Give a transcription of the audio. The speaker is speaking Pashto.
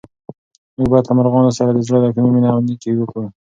موږ باید له مرغانو سره د زړه له کومې مینه او نېکي وکړو.